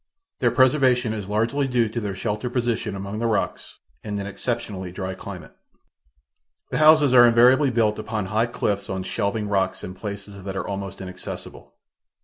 Their preservation is largely due to their sheltered position among the rocks and an exceptionally dry climate. The houses are invariably built upon high cliffs on shelving rocks in places that are almost inaccessible.